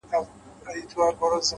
مهرباني د کینې دیوالونه نړوي’